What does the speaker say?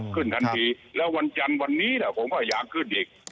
ขึ้นทันทีแล้ววันจันทร์วันนี้ผมพยายามขึ้นอีก